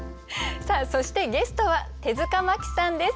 そしてゲストは手塚マキさんです。